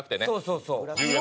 そうそうそう。